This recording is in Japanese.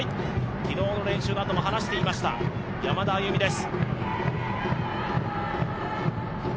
昨日の練習のあとも話していました、山田歩美です。